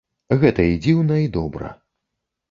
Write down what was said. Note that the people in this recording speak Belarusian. Гэта і дзіўна, і добра.